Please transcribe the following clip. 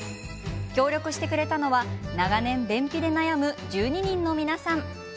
協力してくれたのは長年、便秘で悩む１２人の皆さん。